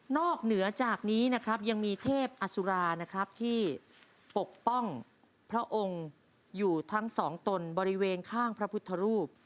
เหนือจากนี้นะครับยังมีเทพอสุรานะครับที่ปกป้องพระองค์อยู่ทั้งสองตนบริเวณข้างพระพุทธรูป